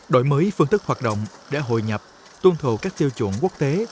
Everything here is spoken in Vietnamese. đổi mới phương thức hoạt động để hội nhập tuân thủ các tiêu chuẩn quốc tế